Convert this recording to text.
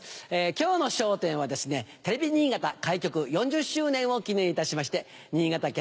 今日の『笑点』はですねテレビ新潟開局４０周年を記念いたしまして。